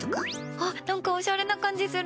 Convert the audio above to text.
あ、何かおしゃれな感じする！